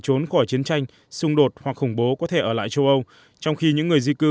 trốn khỏi chiến tranh xung đột hoặc khủng bố có thể ở lại châu âu trong khi những người di cư